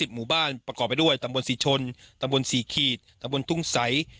หมู่บ้านประกอบไปด้วยตำบลศรีชนตำบล๔ขีดตำบลทุ่งใส